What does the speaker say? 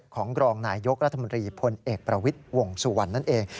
ของรองนายยกรัฐมนตรีพลเอกประวิทย์วงสุวรรณนั่นเอง